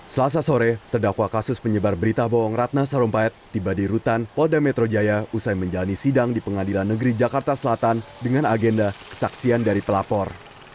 selasa sore terdakwa kasus penyebar berita bohong ratna sarumpait tiba di rutan polda metro jaya usai menjalani sidang di pengadilan negeri jakarta selatan dengan agenda kesaksian dari pelapor